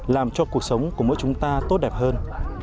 làm cho cuộc sống của mỗi chúng ta tốt đẹp hơn